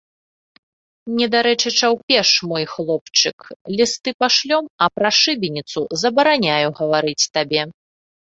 Недарэчы чаўпеш, мой хлопчык, лісты пашлём, а пра шыбеніцу забараняю гаварыць табе.